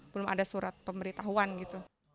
belum ada surat pemberitahuan gitu